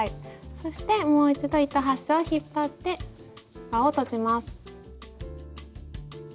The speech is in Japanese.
そしてもう一度糸端を引っ張って輪を閉じます。